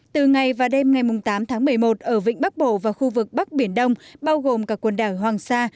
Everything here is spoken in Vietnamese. từ ngày và đêm ngày tám tháng một mươi một ở vịnh bắc bộ và khu vực bắc biển đông bao gồm cả quần đảo hoàng sa